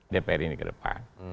dpr ini ke depan